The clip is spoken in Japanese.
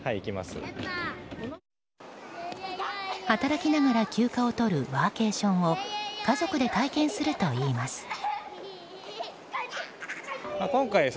働きながら休暇を取るワーケーションを家族で体験するといいます。